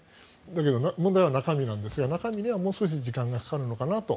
だけど問題は中身なんですが中身にはもう少し時間がかかるのかなと。